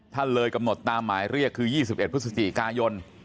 เลยกำหนดตามหมายเรียกคือ๒๑พฤศจิกายน